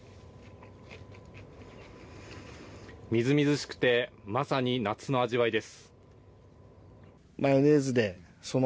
みずみずしくてまさに、夏の味わいです。